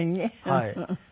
はい。